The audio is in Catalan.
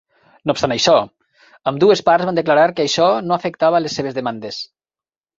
No obstant això, ambdues parts van declarar que això no afectava les seves demandes.